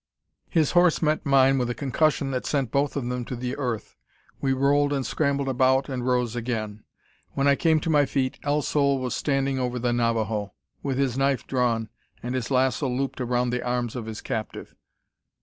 His horse met mine with a concussion that sent both of them to the earth. We rolled and scrambled about, and rose again. When I came to my feet, El Sol was standing over the Navajo, with his knife drawn, and his lasso looped around the arms of his captive.